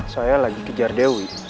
saya lagi kejar dewi